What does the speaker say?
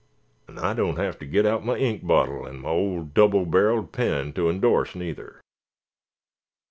——' N' I dun't hev ter get out my ink bottle 'n' my old double barrelled pen ter _in_dorse, neither."